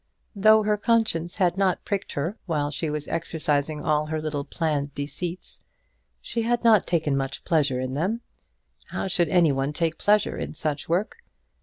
Though her conscience had not pricked her while she was exercising all her little planned deceits, she had not taken much pleasure in them. How should any one take pleasure in such work?